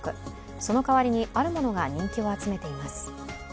その代わりに、あるものが人気を集めています。